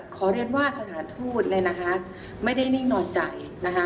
ขอเรียนว่าสถานทูตเลยนะคะไม่ได้นิ่งนอนใจนะคะ